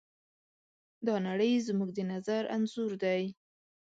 دا نړۍ زموږ د نظر انځور دی.